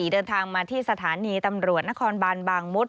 เดินทางมาที่สถานีตำรวจนครบานบางมด